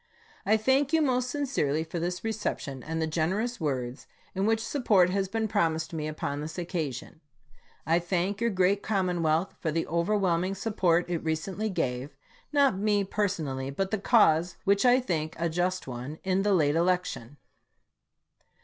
I thank you most sincerely for this reception, and the generous words in which support has been promised me upon this occasion. I thank your great commonwealth for the overwhelming support it recently gave, not me personally, but the cause which I think a just one, in the late election.